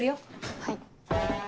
はい。